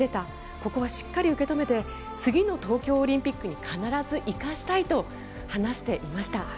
ここはしっかり受け止めて次の東京オリンピックに必ず生かしたいと話していました。